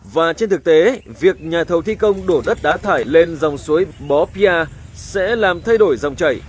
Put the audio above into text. và trên thực tế việc nhà thầu thi công đổ đất đá thải lên dòng suối bó pia sẽ làm thay đổi dòng chảy